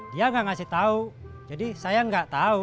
dia nggak ngasih tahu jadi saya nggak tahu